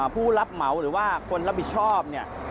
ผู้รับเหมาหรือว่าคนรับผิดชอบเนี่ย